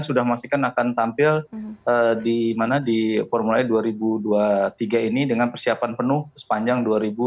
sudah memastikan akan tampil di formula e dua ribu dua puluh tiga ini dengan persiapan penuh sepanjang dua ribu dua puluh